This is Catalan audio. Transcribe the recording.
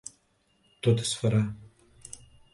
Tot es farà.